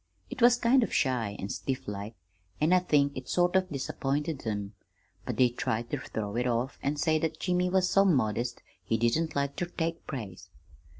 It was kind of shy and stiff like, an' I think it sort of disappointed 'em; but they tried ter throw it off an' say that Jimmy was so modest he didn't like ter take praise.